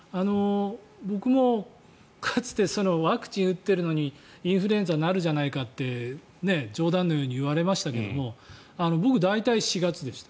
僕も、かつてワクチンを打っているのにインフルエンザになるじゃないかって冗談のように言われましたけども僕は大体４月でした。